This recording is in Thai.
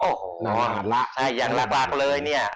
อ๋อโอ้โหนานละใช่อย่างนั้นมากเลยเนี่ย